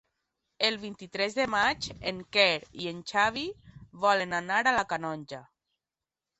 El vint-i-tres de maig en Quer i en Xavi volen anar a la Canonja.